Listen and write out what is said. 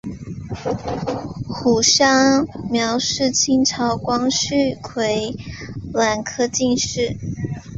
胡商彝是清朝光绪癸卯科进士。